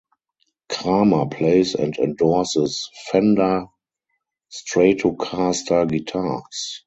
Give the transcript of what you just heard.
Kramer plays and endorses Fender Stratocaster guitars.